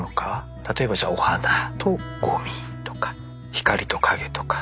例えばお花とゴミとか光と影とか。